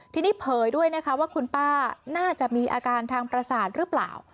ทีนี้เผยด้วยนะคะว่าคุณป้าน่าจะมีอาการทางประสาทหรือเปล่า